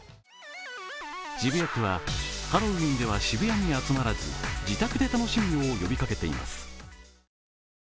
渋谷区は、ハロウィーンでは渋谷に集まらず自宅で楽しむよう呼びかけています。